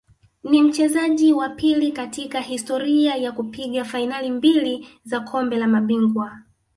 Ni mchezaji wa pili katika historia ya kupiga fainali mbili za Kombe la Mabingwa